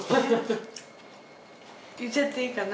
言っちゃっていいかな？